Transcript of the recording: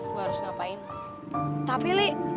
tapi lek gue harus berpikir tapi